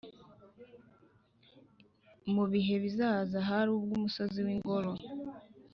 Mu bihe bizaza, hari ubwo umusozi w’Ingoro